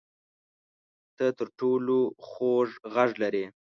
ته تر ټولو خوږ غږ لرې